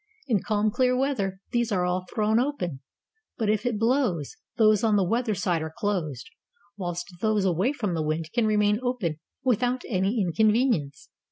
In calm, clear weather these are all thrown open; but if it blows, those on the weather side are closed, whilst those away from the wind can remain open without any in convenience.